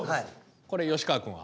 これ吉川君は？